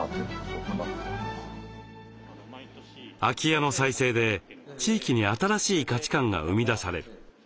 空き家の再生で地域に新しい価値観が生み出される。